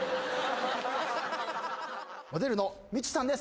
モデルのみちゅさんです。